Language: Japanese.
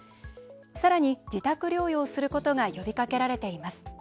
さらに、自宅療養することが呼びかけられています。